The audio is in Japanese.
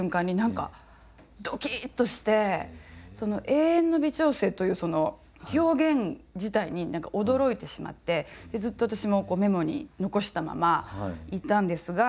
「永遠の微調整」というその表現自体に何か驚いてしまってずっと私もメモに残したままいたんですが。